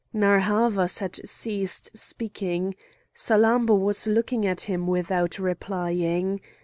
Narr' Havas had ceased speaking; Salammbô was looking at him without replying.